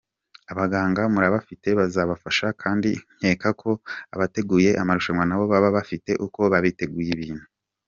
Abaganga murabafite bazabafasha kandi nkeka ko abateguye amarushanwa nabo baba bafite uko bateguye ibintu”.